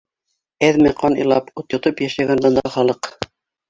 Әҙме ҡан илап, ут йотоп йәшәгән бында халыҡ...